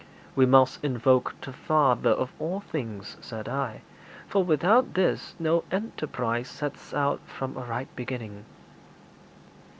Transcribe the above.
'We must invoke the Father of all things,' said I; 'for without this no enterprise sets out from a right beginning.'